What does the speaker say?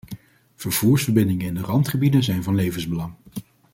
Vervoersverbindingen in de randgebieden zijn van levensbelang.